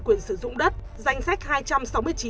quyền sử dụng đất danh sách